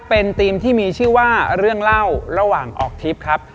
เป็นทีมที่มีชื่อว่าเรื่องเล่าระหว่างออกทริปครับ